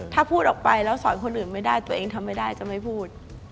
ถ้าพูดออกไปแล้วสอนคนอื่นไม่ได้ตัวเองทำไม่ได้จะไม่พูด